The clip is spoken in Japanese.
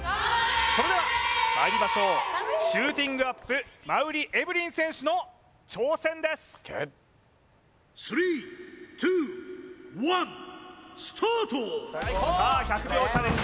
それではまいりましょうシューティングアップ馬瓜エブリン選手の挑戦ですさあ１００秒チャレンジ